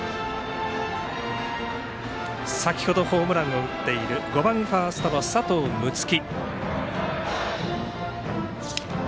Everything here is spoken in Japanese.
先ほどホームランを打っている５番ファースト、佐藤夢樹。